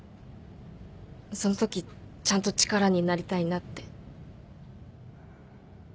そのときちゃんと力になりたいなって